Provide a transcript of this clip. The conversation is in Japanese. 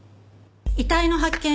遺体の発見